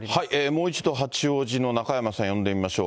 もう一度、八王子の中山さん呼んでみましょう。